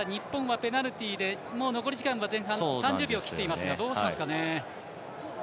日本はペナルティでもう残り時間３０秒切っていますがどうしますかね。